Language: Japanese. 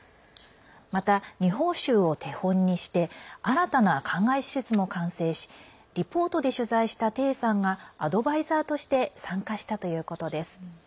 また、二峰しゅうを手本にして新たな、かんがい施設も完成しリポートで取材した、丁さんがアドバイザーとして参加したということです。